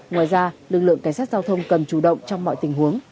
ngoài ra lực lượng cảnh sát giao thông cần chủ động trong mọi tình huống